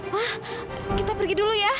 wah kita pergi dulu ya